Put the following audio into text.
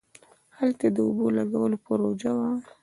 هلته د اوبو لگولو پروژه وه.